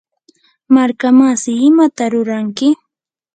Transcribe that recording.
markamasi, ¿imata ruranki?